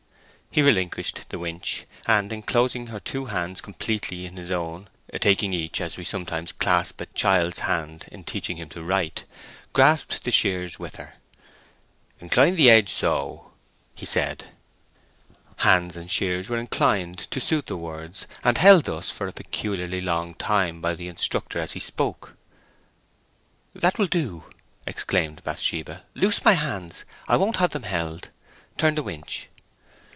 He relinquished the winch, and inclosing her two hands completely in his own (taking each as we sometimes slap a child's hand in teaching him to write), grasped the shears with her. "Incline the edge so," he said. Hands and shears were inclined to suit the words, and held thus for a peculiarly long time by the instructor as he spoke. "That will do," exclaimed Bathsheba. "Loose my hands. I won't have them held! Turn the winch."